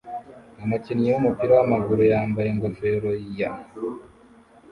Umukinnyi wumupira wamaguru yambaye ingofero year